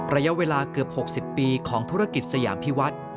ระยะเวลาเกือบ๖๐ปีของธุรกิจสยามพิวัฒน์